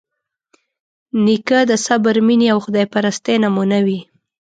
نیکه د صبر، مینې او خدایپرستۍ نمونه وي.